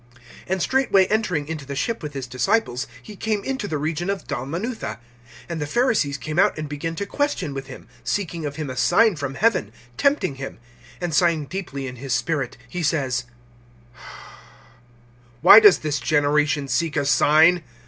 (10)And straightway entering into the ship with his disciples, he came into the region of Dalmanutha. (11)And the Pharisees came out, and began to question with him, seeking of him a sign from heaven, tempting him. (12)And sighing deeply in his spirit, he says: Why does this generation seek a sign?